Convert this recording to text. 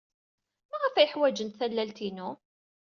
Maɣef ay ḥwajen tallalt-inu?